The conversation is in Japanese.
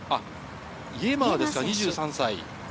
イェマーですね、２３歳。